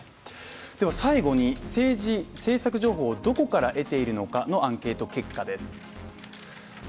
最後に政治・政策情報をどこから得ているのかのアンケート結果です。